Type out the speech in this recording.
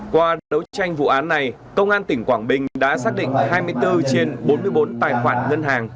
qua đấu tranh vụ án này công an tỉnh quảng bình đã xác định hai mươi bốn trên bốn mươi bốn tài khoản ngân hàng